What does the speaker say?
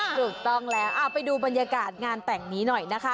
ถูกต้องแล้วเอาไปดูบรรยากาศงานแต่งนี้หน่อยนะคะ